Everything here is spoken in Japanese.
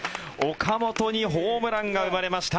岡本にホームランが生まれました。